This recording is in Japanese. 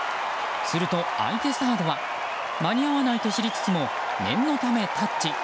すると、相手サードは間に合わないと知りつつも念のため、タッチ。